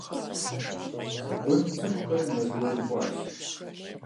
Зэгуэрым цӀыхухэр мэз гуэрым кӀуащ.